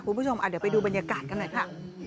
คุณผู้ชมเดี๋ยวไปดูบรรยากาศกันหน่อยค่ะ